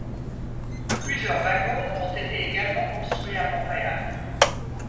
Plusieurs wagons ont été également construits à Montréal.